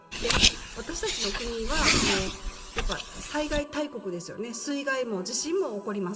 私たちの国は、災害大国ですよね、水害も地震も起こります。